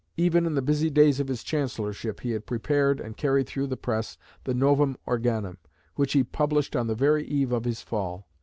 Even in the busy days of his Chancellorship he had prepared and carried through the press the Novum Organum, which he published on the very eve of his fall.